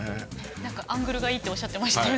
アングルがいいとおっしゃってましたね。